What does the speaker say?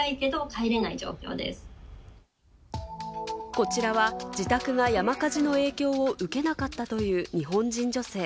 こちらは、自宅が山火事の影響を受けなかったという日本人女性。